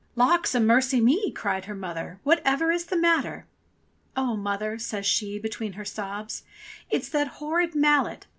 "Lawks a mercy me!'* cried her mother, "whatever is the matter ?" "Oh, mother!" says she between her sobs, "it's that horrid mallet.